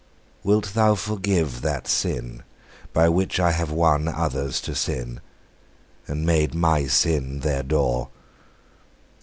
II. Wilt Thou forgive that sin which I have won Others to sin, and made my sin their door?